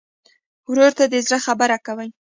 ورور ته د زړه خبره کوې.